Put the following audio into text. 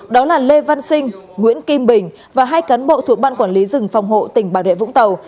đó là lê văn sinh nguyễn kim bình và hai cán bộ thuộc ban quản lý rừng phòng hộ tỉnh bà rịa vũng tàu